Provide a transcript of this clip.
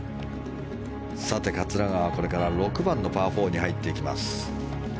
さて、桂川はこれから６番のパー４に入っていきます。